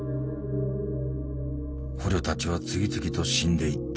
捕虜たちは次々と死んでいった。